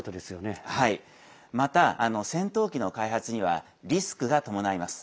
また、戦闘機の開発にはリスクが伴います。